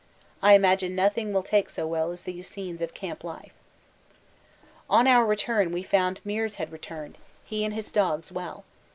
I imagine nothing will take so well as these scenes of camp life. On our return we found Meares had returned; he and the dogs well.